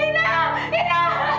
ina cepat ibu mau pulang